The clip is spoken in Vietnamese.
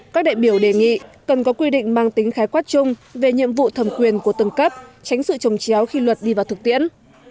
các đại biểu đề nghị cần có quy định mang tính khái quát chung về nhiệm vụ thẩm quyền của từng cấp tránh sự trồng chéo khi luật đi vào thực tiễn